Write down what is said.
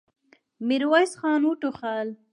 ميرويس خان وټوخل.